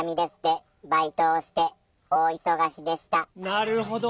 なるほど。